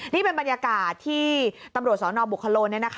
นี่เป็นบรรยากาศที่ตำรวจสนบุคโล